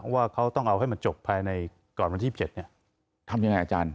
ว่าเขาต้องเอาให้มันจบภายในก่อนวันที่ยี่สิบเจ็ดเนี่ยทำยังไงอาจารย์